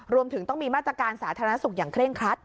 รวมถึงต้องมีมาตรการสาธารณสุขอย่างเคร่งครัด